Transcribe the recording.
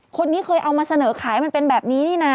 คนนี้เคยเอามาเสนอขายมันเป็นแบบนี้นี่นะ